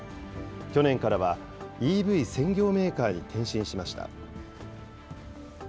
去年からは、ＥＶ専業メーカーに転身しました。